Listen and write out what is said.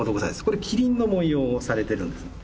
これ麒麟の文様をされてるんですね。